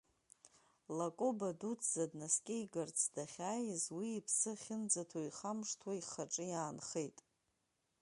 Лакоба дуӡӡа днаскьеигарц дахьааз, уи иԥсы ахьынӡаҭоу ихамышҭуа ихаҿы иаанхеит.